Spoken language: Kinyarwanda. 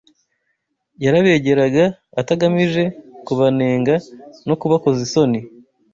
yarabegeraga atagamije kubanenga no kubakoza isoni